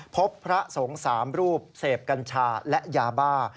พบพระสงฆ์๓รูปเสพกัญชาและยาบ้า